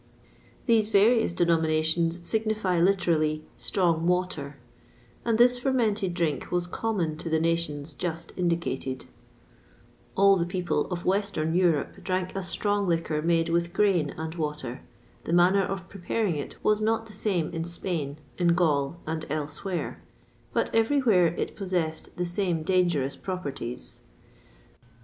These various denominations signify literally, strong water,[XXVI 14] and this fermented drink was common to the nations just indicated.[XXVI 15] All the people of Western Europe drank a strong liquor made with grain and water. The manner of preparing it was not the same in Spain, in Gaul, and elsewhere; but everywhere it possessed the same dangerous properties.